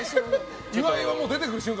岩井は出てくる瞬間